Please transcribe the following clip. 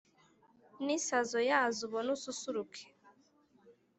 n' isaso yazo ubone ususuruke